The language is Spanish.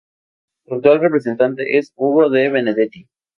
Su actual representante es Hugo De Benedetti.